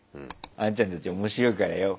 「あんちゃんたち面白いからよ